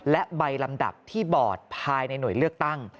และใบลำดับที่บอร์ดภายในหน่วยเลือกตั้ง